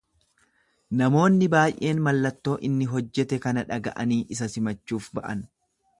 Namoonni baay’een mallattoo inni hojjete kana dhaga’anii isa simachuuf ba’an.